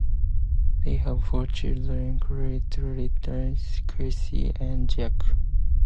They have four children - Caroline, Dorothy "Dottie", Chrissy, and Jack.